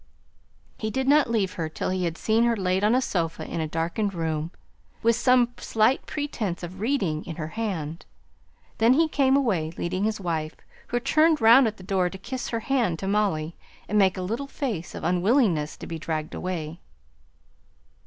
He did not leave her till he had seen her laid on a sofa in a darkened room, with some slight pretence of reading in her hand. Then he came away, leading his wife, who turned round at the door to kiss her hand to Molly, and make a little face of unwillingness to be dragged away.